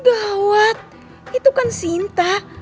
gawat itu kan sinta